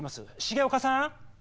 重岡さん！